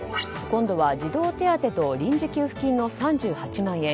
今度は児童手当と臨時給付金の３８万円。